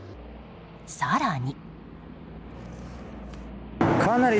更に。